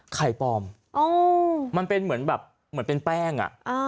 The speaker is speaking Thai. ไข่ปลอมมันเป็นเหมือนแบบเหมือนเป็นแป้ง